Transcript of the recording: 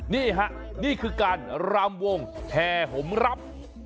นี่ฮะนี่คือการรำวงแห่หมรับ